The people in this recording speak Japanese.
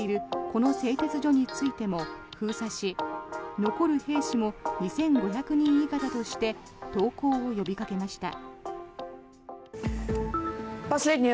この製鉄所についても封鎖し残る兵士も２５００人以下だとして投降を呼びかけました。